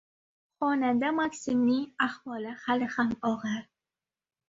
Xonanda MakSimning ahvoli hali ham og‘ir